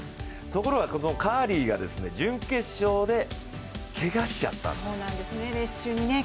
ところがこのカーリーが準決勝でけがしちゃったんです。